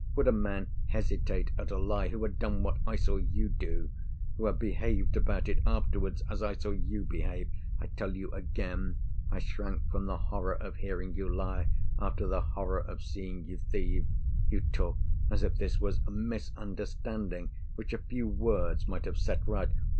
Would a man hesitate at a lie, who had done what I saw you do—who had behaved about it afterwards, as I saw you behave? I tell you again, I shrank from the horror of hearing you lie, after the horror of seeing you thieve. You talk as if this was a misunderstanding which a few words might have set right!